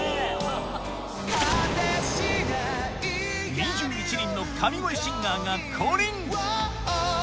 ２１人の神声シンガーが降臨